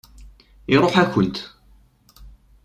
Iṛuḥ-akent.